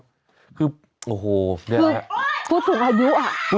จริงกดสูงอายุ